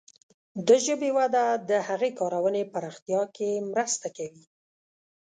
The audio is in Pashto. د ژبې وده د هغه کارونې پراختیا کې مرسته کوي.